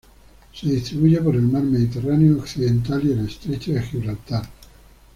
Se distribuye por el mar Mediterráneo occidental y el estrecho de Gibraltar.